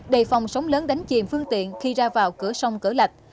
đề phòng sóng lớn đánh chìm phương tiện khi ra vào cửa sông cửa lạch